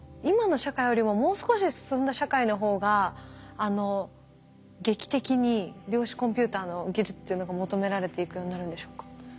今の社会よりももう少し進んだ社会の方が劇的に量子コンピューターの技術というのが求められていくようになるんでしょうか？